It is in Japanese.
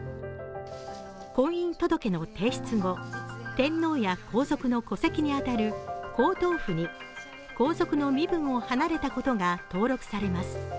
婚姻届の提出後、天皇や皇族の戸籍に当たる皇統譜に、皇族の身分を離れたことが登録されます。